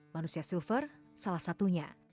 manusia silver salah satunya